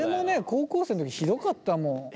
高校生の時ひどかったもん。